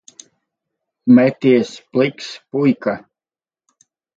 Meties pliks, puika.